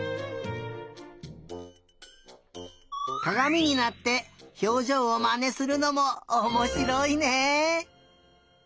かがみになってひょうじょうをまねするのもおもしろいね！